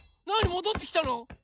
もどってきたの？